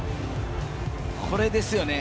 これですよね。